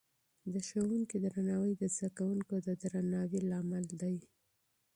د ښوونکې درناوی د زده کوونکو د درناوي لامل دی.